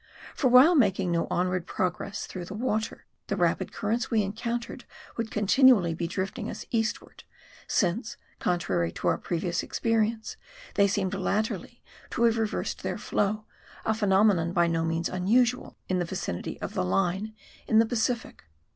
For while making no onward progress through the water, MA ED I. 135 the rapid currents we encountered would continually be drifting us eastward ; since, contrary to our previous expe rience, they seemed latterly to have reversed their flow, a phenomenon by no means unusual in the vicinity of the Line in the Pacific.